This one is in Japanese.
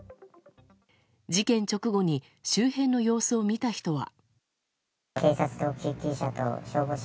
事件直後に周辺の様子を見た人は。